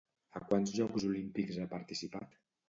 A quants Jocs Olímpics ha participat?